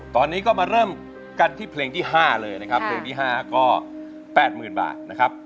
ตอนนี้ก็มาเริ่มกันที่เพลงที่๕เลยนะครับเพลงที่๕ก็๘๐๐๐บาทนะครับ